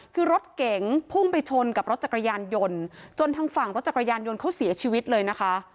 คือรถเก๋งพุ่งไปชนกับรถจักรยานยนต์จนทางฝั่งรถจักรยานยนต์เขาเสียชีวิตเลยนะคะ